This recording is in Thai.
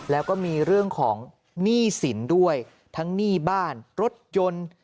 แล้วก็มีเรื่องของหนี้สินด้วยทั้งหนี้บ้านรถยนต์